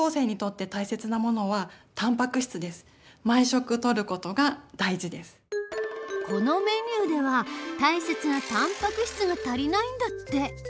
しかしどうしてもこのメニューでは大切なたんぱく質が足りないんだって。